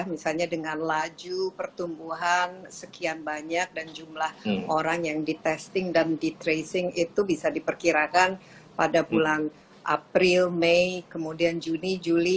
misalnya dengan laju pertumbuhan sekian banyak dan jumlah orang yang di testing dan di tracing itu bisa diperkirakan pada bulan april mei kemudian juni juli